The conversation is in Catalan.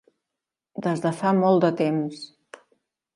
Des de fa molt de temps.